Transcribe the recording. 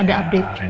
ada update terbang